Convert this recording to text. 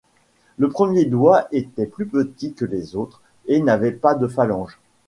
Le premier doigt était plus petit que les autres et n'avait pas de phalanges.